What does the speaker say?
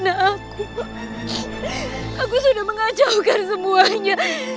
aku sudah mengacaukan semuanya